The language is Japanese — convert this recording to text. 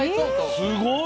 え⁉すごい！